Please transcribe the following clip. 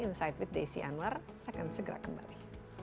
insight with desi anwar akan segera kembali